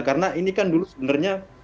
karena ini kan dulu sebenarnya